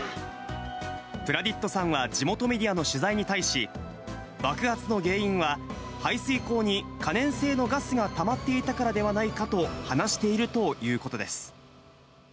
プラディットさんは地元メディアの取材に対し、爆発の原因は、排水溝に可燃性のガスがたまっていたからではないかと話しているということです。